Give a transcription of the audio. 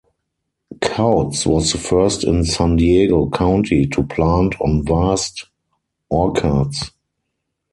Couts was the first in San Diego County to plant an vast orchards.